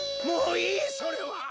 もういいそれは！